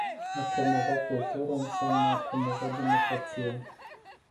A promova cultura înseamnă a promova democrația.